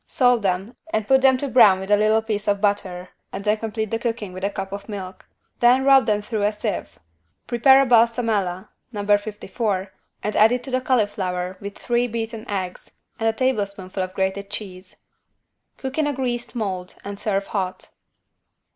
Salt them and put them to brown with a little piece of butter and then complete the cooking with a cup of milk. Then rub them through a sieve. Prepare a =Balsamella= (No. 54) and add it to the cauliflower with 3 beaten eggs and a tablespoonful of grated cheese. Cook in a greased mold and serve hot.